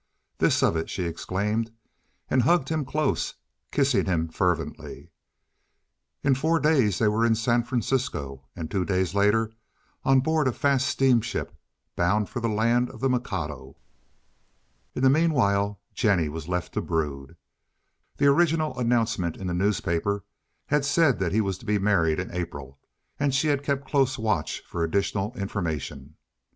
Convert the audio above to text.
"This of it," she exclaimed, and hugged him close, kissing him fervently. In four days they were in San Francisco, and two days later on board a fast steamship bound for the land of the Mikado. In the meanwhile Jennie was left to brood. The original announcement in the newspapers had said that he was to be married in April, and she had kept close watch for additional information.